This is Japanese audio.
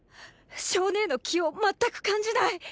象姉の気を全く感じない。